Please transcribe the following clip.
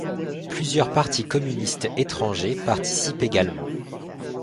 Plusieurs partis communistes étrangers participent également.